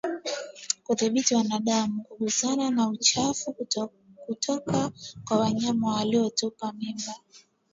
Kudhibiti mwanadamu kugusana na uchafu kutoka kwa wanyama waliotupa mimba